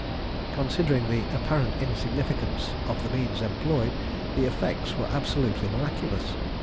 Considering the apparent insignificance of the means employed, the effects were absolutely miraculous.